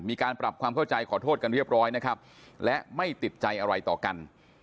มีการปรับความเข้าใจขอโทษกันเรียบร้อยนะครับและไม่ติดใจอะไรต่อกัน